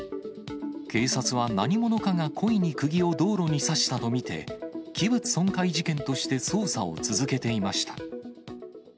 警察は何者かが故意にくぎを道路に刺したと見て、器物損壊事件として捜査を続けていました。